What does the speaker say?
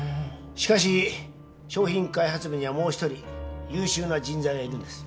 しかし商品開発部にはもう一人優秀な人材がいるんです。